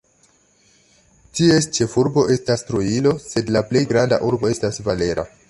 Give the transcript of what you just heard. Ties ĉefurbo estas Trujillo sed la plej granda urbo estas Valera.